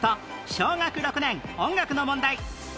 小学６年音楽の問題